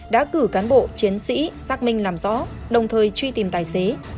đã cử cán bộ chiến sĩ xác minh làm rõ đồng thời truy tìm tài xế